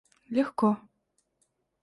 легко